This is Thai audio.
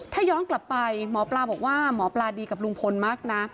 ถ้าย้อนกลับไปหมอปลาบอกว่าหมอปลาดีกับลุงพลมากนะ